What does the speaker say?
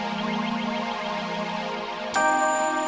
apa apaan tenang aja pak